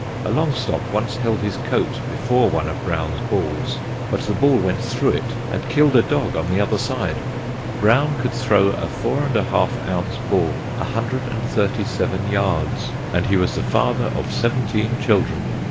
A long stop once held his coat before one of Brown's balls, but the ball went through it and killed a dog on the other side. Brown could throw a 4 1/2 oz. ball 137 yards, and he was the father of seventeen children.